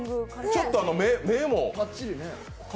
ちょっと目も。